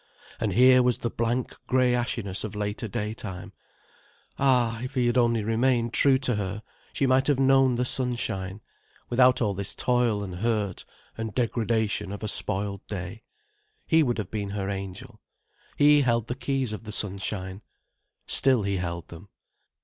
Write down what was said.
And here was the blank grey ashiness of later daytime. Ah, if he had only remained true to her, she might have known the sunshine, without all this toil and hurt and degradation of a spoiled day. He would have been her angel. He held the keys of the sunshine. Still he held them.